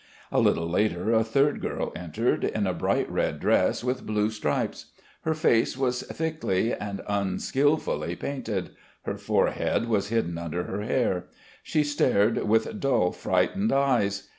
A little later a third girl entered, in a bright red dress with blue stripes. Her face was thickly and unskilfully painted. Her forehead was hidden under her hair. She stared with dull, frightened eyes.